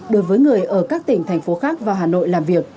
đối với người ở các tỉnh thành phố khác vào hà nội làm việc